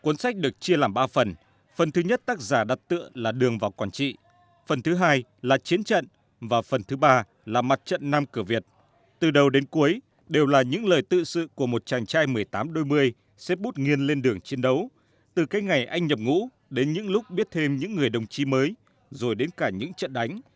cuốn sách được chia làm ba phần phần thứ nhất tác giả đặt tựa là đường vào quảng trị phần thứ hai là chiến trận và phần thứ ba là mặt trận nam cửa việt từ đầu đến cuối đều là những lời tự sự của một chàng trai một mươi tám hai mươi xếp bút nghiên lên đường chiến đấu từ cái ngày anh nhập ngũ đến những lúc biết thêm những người đồng chi mới rồi đến cả những trận đánh